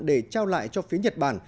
để trao lại cho phía nhật bản